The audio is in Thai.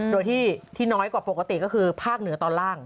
โดยที่น้อยกว่าปกติก็คือภาคเหนือตอนล่าง